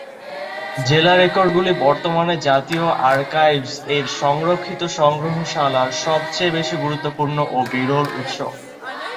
জেলা রেকর্ডগুলি বর্তমানে জাতীয় আর্কাইভস-এর সংরক্ষিত সংগ্রহশালার সবচেয়ে বেশি গুরুত্বপূর্ণ ও বিরল উৎস।